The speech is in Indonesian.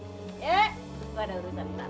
gue ada urusan ntar